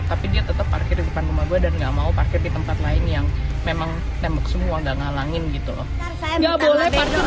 tapi dia tetap parkir di depan rumah gue dan gak mau parkir di tempat lain yang memang tembok semua gak ngalangin gitu loh